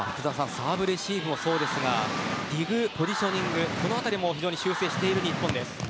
サーブレシーブもそうですがディグ、ポジショニングこのあたりも修正している日本です。